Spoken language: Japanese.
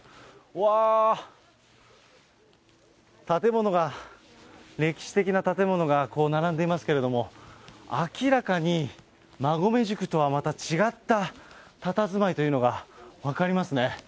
わー、建物が、歴史的な建物がこう並んでいますけれども、明らかに馬籠宿とはまた違ったたたずまいというのが分かりますね。